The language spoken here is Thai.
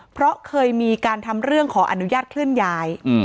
เพราะเคยมีการทำเรื่องขออนุญาตเคลื่อนย้าย